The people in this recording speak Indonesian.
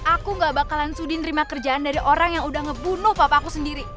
aku gak bakalan studi nerima kerjaan dari orang yang udah ngebunuh papa aku sendiri